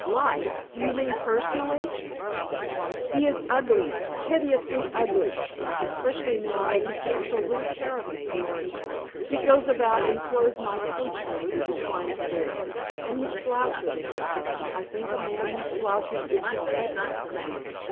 "Like! Do you mean personally? He is ugly hideously ugly especially now that he takes so little care of himself. He goes about in clothes my coachman would decline to wear, and he slouches. I think a man who slouches is detestable."